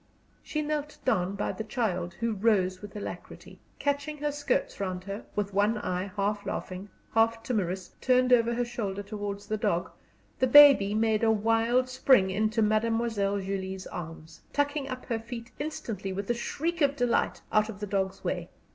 She knelt down by the child, who rose with alacrity. Catching her skirts round her, with one eye half laughing, half timorous, turned over her shoulder towards the dog, the baby made a wild spring into Mademoiselle Julie's arms, tucking up her feet instantly, with a shriek of delight, out of the dog's way.